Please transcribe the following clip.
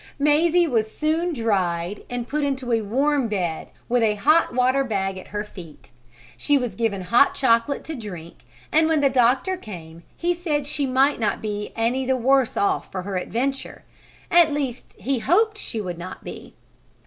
Mazie was soon dried and put into a warm bed, with a hot water bag at her feet. She was given hot chocolate to drink and when the doctor came he said she might not be any the worse off for her adventure; at least he hoped she would not be.